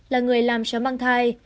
là người làm cháu mang thai